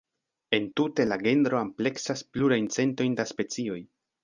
Entute la genro ampleksas plurajn centojn da specioj.